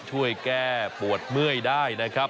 ช่วยแก้ปวดเมื่อยได้นะครับ